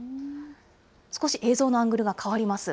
少し映像のアングルが変わります。